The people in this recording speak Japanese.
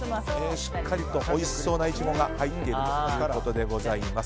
しっかりとおいしそうなイチゴが入っているということです。